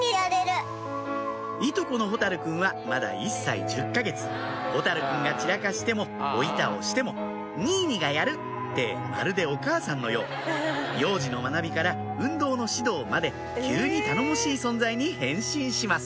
いとこのほたるくんはまだ１歳１０か月ほたるくんが散らかしてもおイタをしても「ニイニがやる」ってまるでお母さんのよう幼児の学びから運動の指導まで急に頼もしい存在に変身します